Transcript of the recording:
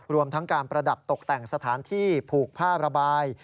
รวมทั้งการประดับตกแต่งสถานที่ผูกผ้าระบาย